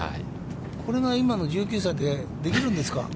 これが今の１９歳で、できるんですか。